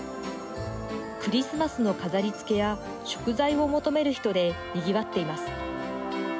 クリスマスの飾りつけや食材を求める人でにぎわっています。